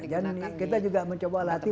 dan kita juga mencoba latih